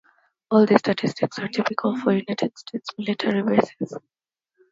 All these statistics are typical for United States military bases.